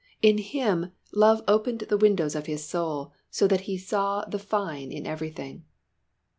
In him love opened the windows of his Soul, so that he saw the fine in everything.